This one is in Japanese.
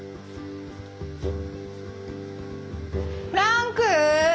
フランク！